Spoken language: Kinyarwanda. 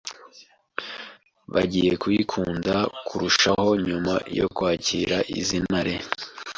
bagiye kuyikunda kurushaho nyuma yo kwakira izi ntare